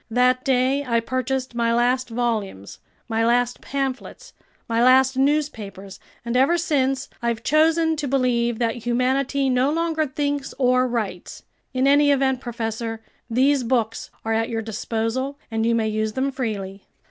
That day I purchased my last volumes, my last pamphlets, my last newspapers, and ever since I've chosen to believe that humanity no longer thinks or writes. In any event, professor, these books are at your disposal, and you may use them freely."